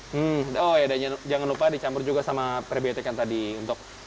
hmm jangan lupa dicampur juga sama perbiotik kan tadi untuk